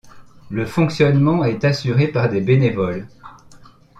Le fonctionnement est assuré par des bénévoles.